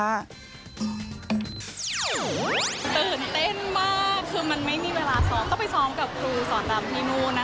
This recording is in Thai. ตื่นเต้นมากคือมันไม่มีเวลาซ้อมก็ไปซ้อมกับครูสอนดำที่นู่นนะคะ